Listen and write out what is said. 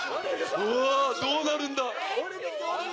うわどうなるんだ。